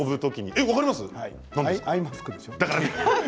アイマスクですよ。